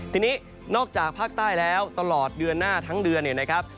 ทีนี้นอกจากภาคใต้แล้วตลอดเดือนหน้าทั้งเดือนเนี่ยนะครับ